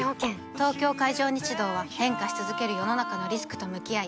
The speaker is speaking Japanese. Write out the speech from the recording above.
東京海上日動は変化し続ける世の中のリスクと向き合い